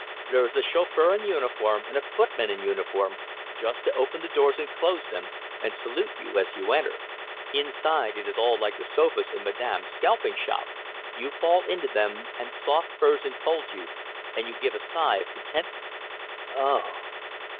There is a chauffeur in uniform, and a footman in uniform, just to open the doors and close them and salute you as you enter. Inside, it is all like the sofas in Madame's scalping shop; you fall into them, and soft furs enfold you, and you give a sigh of Contentment, "O o o o o o oh!"